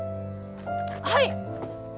はい！